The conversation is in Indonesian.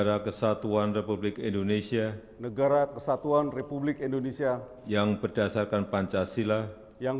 raya kebangsaan indonesia raya